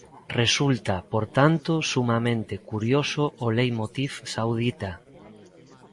Resulta, por tanto, sumamente curioso o leitmotiv saudita.